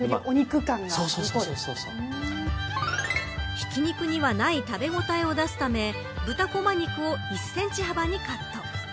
ひき肉にはない食べごたえを出すため豚こま肉を１センチ幅にカット。